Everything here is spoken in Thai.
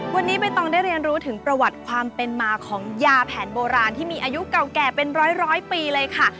วันนี้ใบตองได้เรียนรู้ถึงประวัติความเป็นมาของยาแผนโบราณที่มีอายุเก่าแก่เป็นร้อยปีเลยค่ะ